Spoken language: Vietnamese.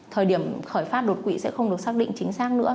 thời điểm khởi phát đột quỵ sẽ không được xác định chính xác nữa